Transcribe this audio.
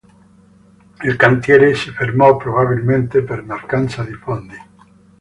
Il cantiere si fermò probabilmente per mancanza di fondi.